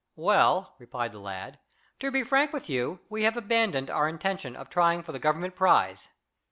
"Well," replied the lad, "to be frank with you, we have abandoned our intention of trying for the Government prize."